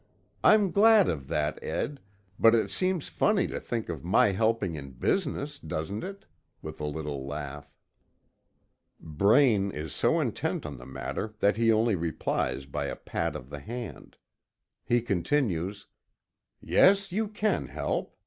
I'm glad of that, Ed, but it seems funny to think of my helping in business, doesn't it?" with a little laugh. Braine is so intent on the matter that he only replies by a pat of the hand. He continues: "Yes, you can help.